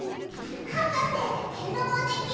はかせけんだまできる？